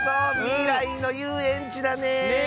みらいのゆうえんちだね！